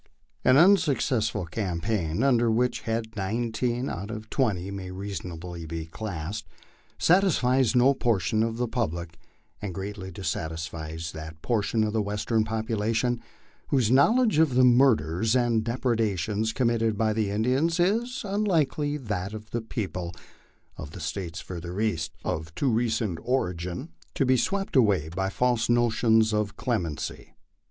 An unsuccessful campaign, under which head nineteen out of twenty may reasonably be classed, satisfies no portion of the public, and greatly dissatisfies that portion of the Western population whose knowledge of the murders and depredations committed by the Indians is, unlike that of the people of the States further east, of too recent origin to be swept away by false notions of clem ency.